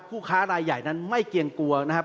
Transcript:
ผู้ค้ารายใหญ่นั้นไม่เกรงกลัวนะครับ